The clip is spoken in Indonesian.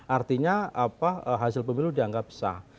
artinya hasil pemilu dianggap sah